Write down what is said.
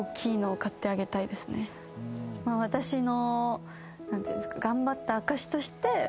私の。